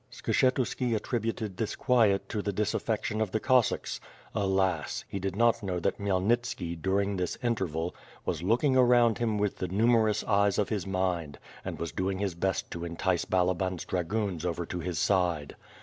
Skshetuski attributed this quiet to the disaffection of the Cossacks. "Alas! He did not know that Khmyelnitski, during this interval, was "looking around him with the nu merous eyes of his mind" and was doing his best to entice Balaban's dragoons over to his side.